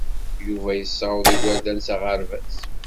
Yuba yessaweḍ igerdan s aɣerbaz.